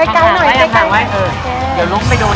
ไทยท้อยพี่มวล